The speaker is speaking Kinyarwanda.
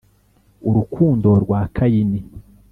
urukundo rwa kayini,